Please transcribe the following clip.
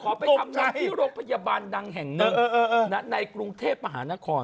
ไปทำงานที่โรงพยาบาลดังแห่งหนึ่งในกรุงเทพมหานคร